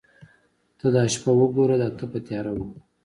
ته دا شپه وګوره دا تپه تیاره وګوره.